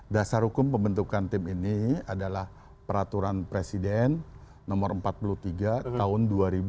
dasar hukum pembentukan tim ini adalah peraturan presiden nomor empat puluh tiga tahun dua ribu dua puluh